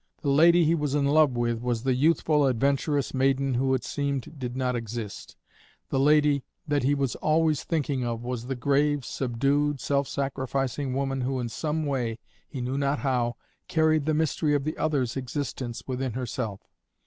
The lady he was in love with was the youthful, adventurous maiden who, it seemed, did not exist; the lady that he was always thinking of was the grave, subdued, self sacrificing woman who in some way, he knew not how, carried the mystery of the other's existence within herself.